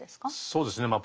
そうですねまあ